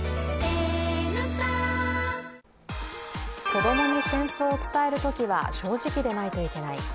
子供に戦争を伝えるときは正直でないといけない。